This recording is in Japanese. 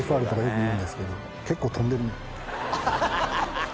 「ハハハハ！」